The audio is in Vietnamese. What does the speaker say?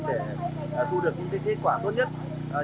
để thu được những kết quả tốt nhất